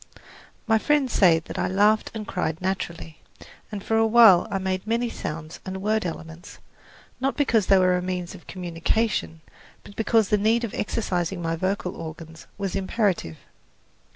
My friends say that I laughed and cried naturally, and for awhile I made many sounds and word elements, not because they were a means of communication, but because the need of exercising my vocal organs was imperative.